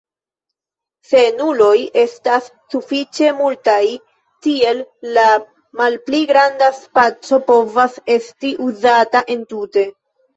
Se nuloj estas sufiĉe multaj, tiel la malpli granda spaco povas esti uzata entute.